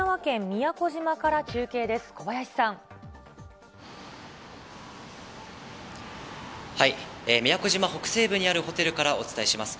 宮古島北西部にあるホテルからお伝えします。